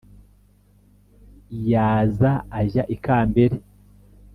yaza ajya i kambere,